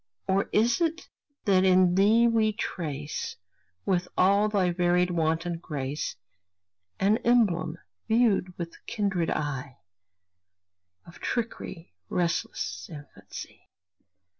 Or is it that in thee we trace, With all thy varied wanton grace, An emblem, viewed with kindred eye Of tricky, restless infancy?